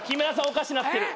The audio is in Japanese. おかしなってる。